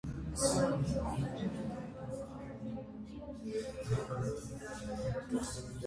Պատմության ընթացքում գինին օգտագործվել է իր հարբեցնող ազդեցության պատճառով։